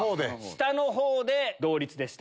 下のほうで同率でした。